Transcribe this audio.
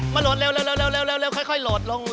โหลดเร็วค่อยโหลดลง